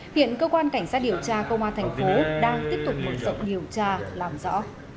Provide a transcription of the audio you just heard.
hiện cơ quan cảnh sát điều tra công an thành phố đang tiếp tục mở rộng điều tra làm rõ